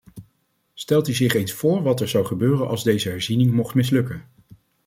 Stelt u zich eens voor wat er zou gebeuren als deze herziening mocht mislukken.